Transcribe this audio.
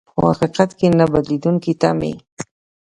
په حقيقت نه بدلېدونکې تمې.